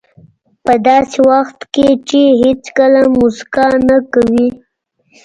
په داسې وخت کې چې هېڅکله موسکا نه کوئ.